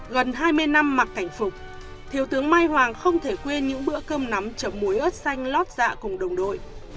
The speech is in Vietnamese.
gần hai mươi năm mặc cảnh phục thiếu tướng mai hoàng không thể quên những bữa cơm nắm chấm muối ớt xanh lót dạ cùng đồng đội